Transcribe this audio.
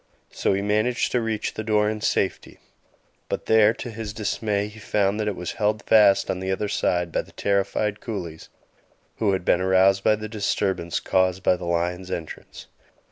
So he managed to reach the door in safety; but there, to his dismay, he found that it was held fast on the other side by the terrified coolies, who had been aroused by the disturbance caused by the lion's entrance.